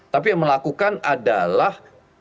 tapi yang melakukan adalah